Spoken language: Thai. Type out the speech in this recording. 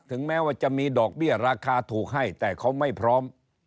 แม้ว่าจะมีดอกเบี้ยราคาถูกให้แต่เขาไม่พร้อม